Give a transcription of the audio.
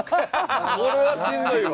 これはしんどいわ。